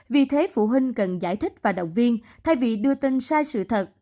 vì thế phụ huynh cần giải thích và động viên thay vì đưa tin sai sự thật